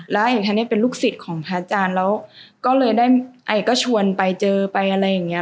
แล้วไอ้คันนี้เป็นลูกศิษย์ของพระอาจารย์แล้วก็เลยได้ไอก็ชวนไปเจอไปอะไรอย่างนี้